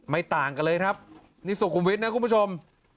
ต่างกันเลยครับนี่สุขุมวิทย์นะคุณผู้ชม